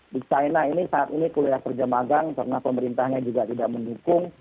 di china ini saat ini kuliah kerja magang karena pemerintahnya juga tidak mendukung